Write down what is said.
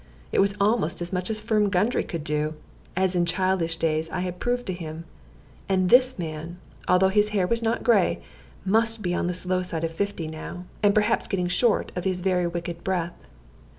It was almost as much as Firm Gundry could do, as in childish days I had proved to him. And this man, although his hair was not gray, must be on the slow side of fifty now, and perhaps getting short of his very wicked breath.